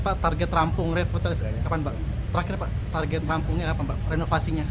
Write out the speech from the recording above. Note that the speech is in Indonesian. pak target rampung terakhirnya pak target rampungnya apa pak renovasinya